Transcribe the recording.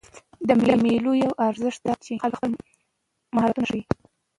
د مېلو یو ارزښت دا دئ، چې خلک خپل مهارتونه ښيي.